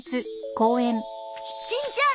しんちゃん！